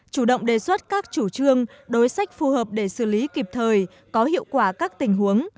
chủ động đề xuất các chủ trương đối sách phù hợp để xử lý kịp thời có hiệu quả các tình huống